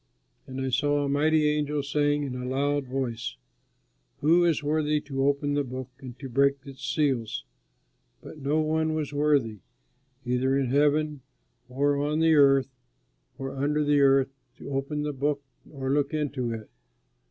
And I saw a mighty angel saying in a loud voice: "Who is worthy to open the book and to break its seals?" But no one was worthy, either in heaven or on the earth or under the earth to open the book or look into it.